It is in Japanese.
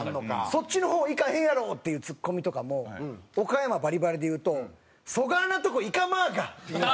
「そっちの方いかへんやろ！」っていうツッコミとかも岡山バリバリで言うと「そがあなとこいかまあが！」って言うんですけど。